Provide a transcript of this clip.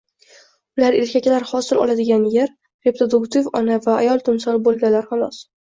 Ular erkaklar hosil oladigan yer, “reproduktiv ona” va ayol timsoli bo‘lganlar, xolos